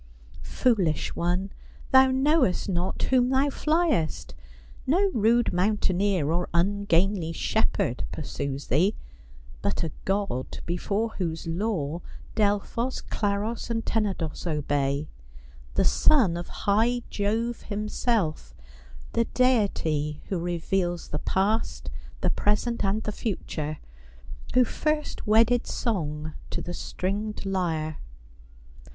Foolish one, thou knowest not whom thou fliest. No rude mountaineer, or ungainly shepherd pursues thee, but a god before whose law Delphos, Claros, and Tenedos obey ; the son of high Jove him self ; the deity who reveals the past, the present, and the future ; who first wedded song to the stringed lyre.